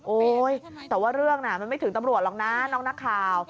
แต่ว่าเรื่องน่ะมันไม่ถึงตำรวจหรอกนะน้องนักข่าว